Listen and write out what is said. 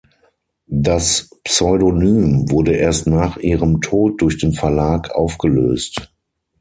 Das Pseudonym wurde erst nach ihrem Tod durch den Verlag aufgelöst.